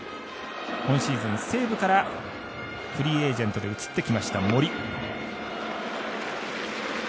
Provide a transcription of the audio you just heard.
今シーズン、西武からフリーエージェントで移ってきました、森。